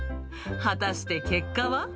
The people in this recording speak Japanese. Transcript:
果たして結果は？